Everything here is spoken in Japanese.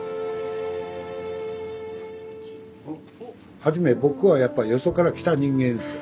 初め僕はやっぱりよそから来た人間ですよ。